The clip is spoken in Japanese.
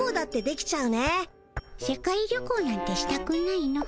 世界旅行なんてしたくないの。